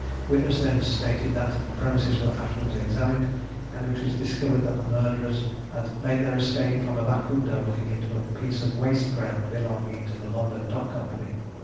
Witness then stated that the premises were afterwards examined, and it was discovered that the murderers had made their escape from a back window looking into a piece of waste ground belonging to the London Dock Company.